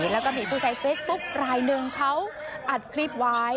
แล้วก็มีผู้ใช้เฟซบุ๊คลายหนึ่งเขาอัดคลิปไว้